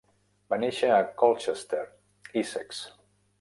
Va néixer a Colchester, Essex.